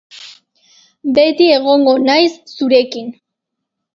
Beti egongo naiz zurekin.